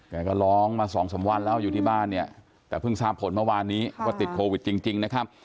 แกก็ร้องมาสองสามวันแล้วอยู่ที่บ้านเนี่ยแต่เพิ่งทราบผลเมื่อวานนี้ว่าติดโควิดจริงนะครับ